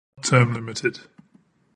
Senators are not term-limited.